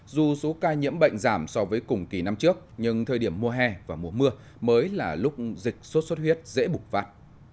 dù số ca nhiễm bệnh giảm so với cùng kỳ năm trước nhưng thời điểm mùa hè và mùa mưa mới là lúc dịch sốt xuất huyết dễ bục phát